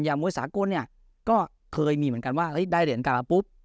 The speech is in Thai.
ยามมวยสาโกนเนี้ยก็เคยมีเหมือนกันว่าเอ้ยได้เหรียญกันแล้วปุ๊บ